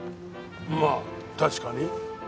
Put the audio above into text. まあ確かに。